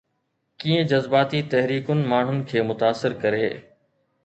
ڪيئن جذباتي تحريڪن ماڻهن کي متاثر ڪري؟